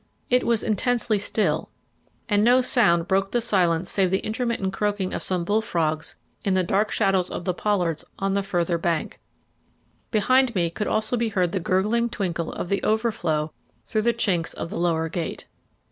It was intensely still, and no sound broke the silence save the intermittent croaking of some bull frogs in the dark shadows of the pollards on the further bank. Behind me could also be heard the gurgling twinkle of the overflow through the chinks of the lower gate.